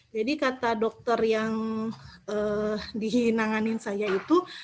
jadi kata dokter yang dihinanganin saya itu